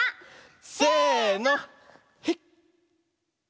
せの。